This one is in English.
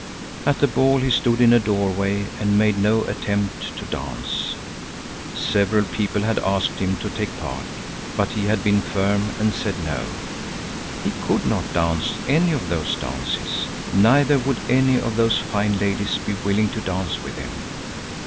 At the ball he stood in a doorway and made no attempt to dance. Several people had asked him to take part, but he had been firm and said no. He could not dance any of those dances. Neither would any of those fine ladies be willing to dance with him.